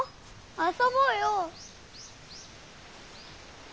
遊ぼうよ。